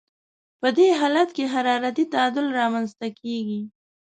په دې حالت کې حرارتي تعادل رامنځته کیږي.